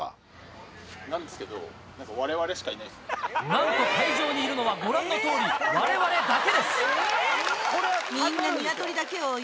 なんと会場にいるのはご覧のとおりわれわれだけです！